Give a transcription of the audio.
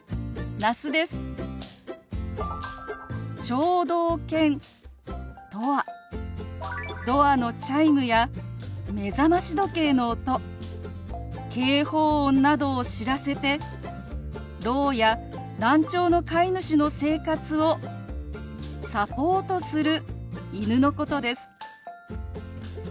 「聴導犬」とはドアのチャイムや目覚まし時計の音警報音などを知らせてろうや難聴の飼い主の生活をサポートする犬のことです。